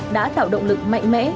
đã tạo động lực mạnh mẽ